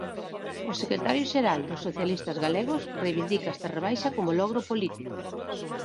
O secretario xeral dos socialistas galegos reivindica esta rebaixa como logro político.